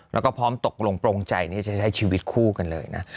แล้วก็พร้อมตกลงโปรงใจที่จะใช้ชีวิตคู่กันเลยนะ